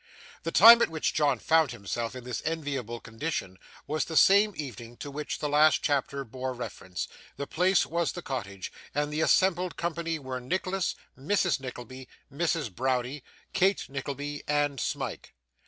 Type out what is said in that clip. The time at which John found himself in this enviable condition was the same evening to which the last chapter bore reference; the place was the cottage; and the assembled company were Nicholas, Mrs. Nickleby, Mrs Browdie, Kate Nickleby, and Smike.